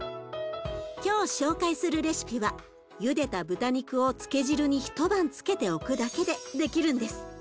今日紹介するレシピはゆでた豚肉を漬け汁に一晩漬けておくだけでできるんです。